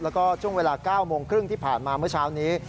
แล้วก็ช่วงเวลา๙โมงครึ่งที่ผ่านมาเมื่อเช้านี้